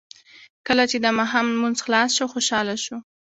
کله چې د ماښام لمونځ خلاص شو خوشاله شو.